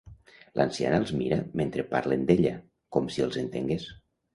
L'anciana els mira mentre parlen d'ella, com si els entengués.